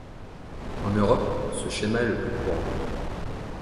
En Europe, ce schéma est le plus courant.